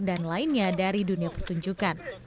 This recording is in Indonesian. dan lainnya dari dunia pertunjukan